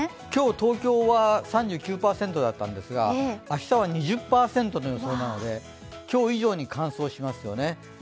今日、東京は３９％だったんですが明日は２０％の予想なので、今日以上に乾燥しますよね。